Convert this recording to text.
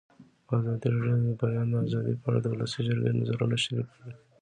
ازادي راډیو د د بیان آزادي په اړه د ولسي جرګې نظرونه شریک کړي.